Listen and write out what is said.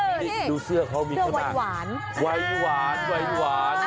ดูเสื้อเขามีคุณฮะเสื้อไหวหวานไหวหวานไหวหวาน